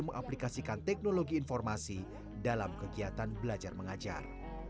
mengaplikasikan teknologi informasi dalam kegiatan belajar mengajar